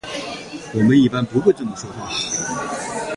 我们一般不会这么说话。